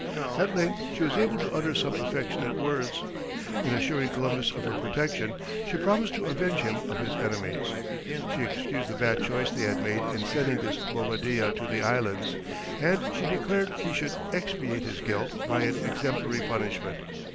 At length she was able to utter some affectionate words; in assuring Columbus of her protection, she promised to avenge him of his enemies; she excused the bad choice they had made in sending this Bovadilla to the islands, and she declared he should expiate his guilt by an exemplary punishment.